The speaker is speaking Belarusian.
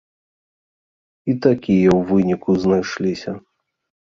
І такія, у выніку, знайшліся.